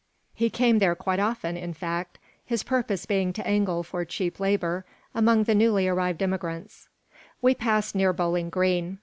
He came there quite often, in fact, his purpose being to angle for cheap labor among the newly arrived immigrants We paused near Bowling Green.